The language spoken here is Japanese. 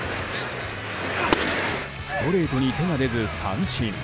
ストレートに手が出ず三振。